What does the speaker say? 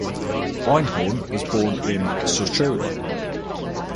Einhorn was born in Suchowola.